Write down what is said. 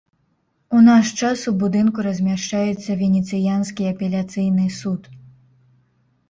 У наш час у будынку размяшчаецца венецыянскі апеляцыйны суд.